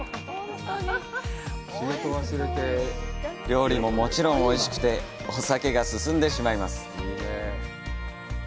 料理ももちろんおいしくてお酒が進んでしまいます。